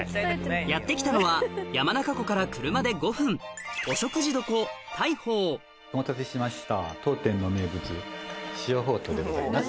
やって来たのは山中湖から車で５分お待たせしました当店の名物塩ほうとうでございます。